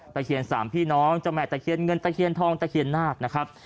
เคียนสามพี่น้องเจ้าแม่ตะเคียนเงินตะเคียนทองตะเคียนนาคนะครับ